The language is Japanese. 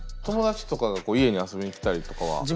友達とかが家に遊びに来たりとかは？